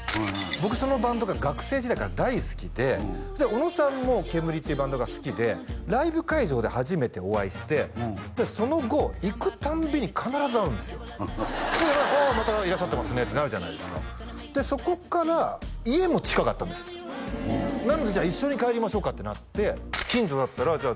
僕そのバンドが学生時代から大好きで小野さんもＫＥＭＵＲＩっていうバンドが好きでライブ会場で初めてお会いしてその後行く度に必ず会うんですよで「またいらっしゃってますね」ってなるじゃないですかでそこから家も近かったんですなのでじゃあ一緒に帰りましょうかってなって近所だったらじゃあ